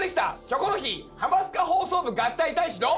『キョコロヒー』『ハマスカ放送部』合体大使の。